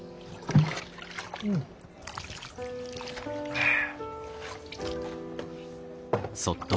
はあ。